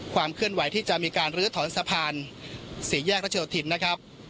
เคลื่อนไหวที่จะมีการลื้อถอนสะพานสี่แยกรัชโยธินนะครับ